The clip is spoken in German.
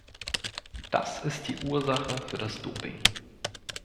Das ist die Ursache für das Doping.